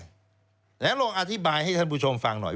เดี๋ยวเราอธิบายให้ท่านผู้ชมฟังหน่อย